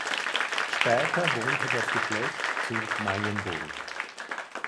Später wohnte das Geschlecht zur Meyenburg.